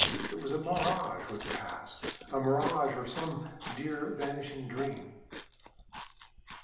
It was a mirage which passed, a mirage or some dear, vanishing dream.